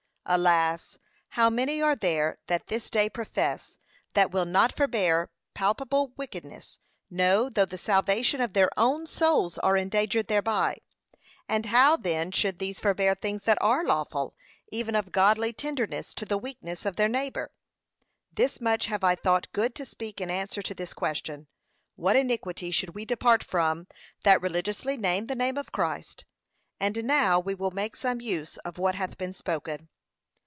Alas! how many are there that this day profess, that will not forbear palpable wickedness; no, though the salvation of their own souls are endangered thereby; and how then should these forbear things that are lawful, even of godly tenderness to the weakness of their neighbour? Thus much have I thought good to speak in answer to this question, What iniquity should we depart from that religiously name the name of Christ? And now we will make some use of what hath been spoken.